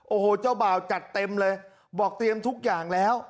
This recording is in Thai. โอ้โหเจ้าบ่าวจัดเต็มเลยบอกเตรียมทุกอย่างแล้ว